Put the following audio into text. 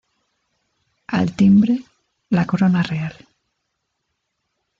Al timbre, la Corona Real.